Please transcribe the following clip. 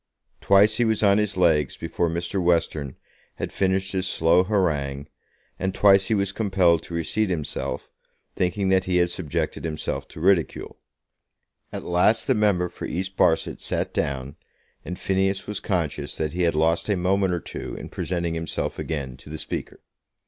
Twice he was on his legs before Mr. Western had finished his slow harangue, and twice he was compelled to reseat himself, thinking that he had subjected himself to ridicule. At last the member for East Barset sat down, and Phineas was conscious that he had lost a moment or two in presenting himself again to the Speaker.